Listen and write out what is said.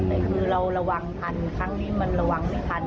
แต่คือเราระวังทันครั้งนี้มันระวังไม่ทัน